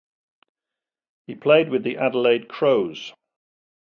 He played with the Adelaide Crows.